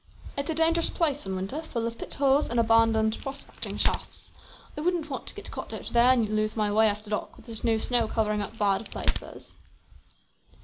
It's a dangerous place in winter, full of pit holes and abandoned prospecting shafts. I wouldn't want to get caught out there and lose my way after dark with this new snow covering up bad places."